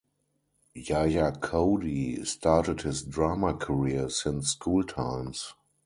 Jayakody started his drama career since school times.